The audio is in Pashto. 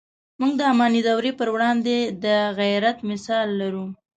موږ د اماني دورې پر وړاندې د غیرت مثال لرو.